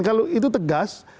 kalau itu tegas